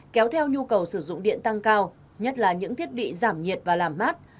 kéo theo nhu cầu sử dụng điện tăng cao nhất là những thiết bị giảm nhiệt và làm mát